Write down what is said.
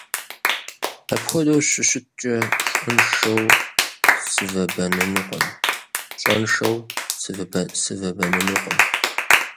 Апхуэдэу щыщыткӀэ, пщӀэншэу сывэбэнынукъым.